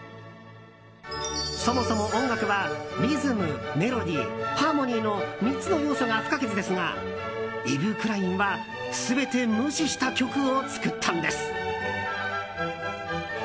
そもそも音楽はリズムメロディー、ハーモニーの３つの要素が不可欠ですがイヴ・クラインは全て無視した曲を作ったんです。